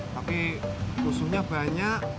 tapi musuhnya banyak